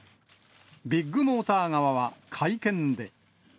ビッグモーター側は会見で。